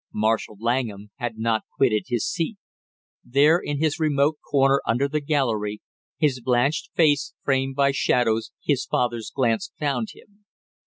Marshall Langham had not quitted his seat. There in his remote corner under the gallery, his blanched face framed by shadows, his father's glance found him.